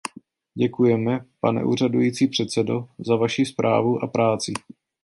Děkujeme, pane úřadující předsedo, za vaši zprávu a práci.